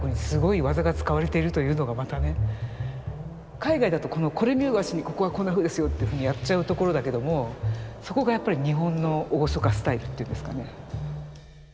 海外だとこれ見よがしに「ここはこんなふうですよ」ってふうにやっちゃうところだけどもそこがやっぱり日本の「厳かスタイル」っていうんですかね。